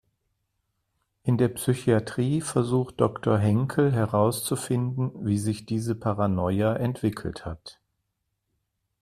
In der Psychatrie versucht Doktor Henkel herauszufinden, wie sich diese Paranoia entwickelt hat.